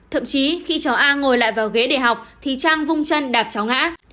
thậm chí khi cháu a ngồi lại vào ghế để học thì trang vung chân đạp cháu ngã